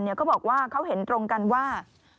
เขาบอกว่าเขาเห็นตรงกันว่า